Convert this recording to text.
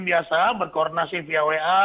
biasa berkoordinasi via wa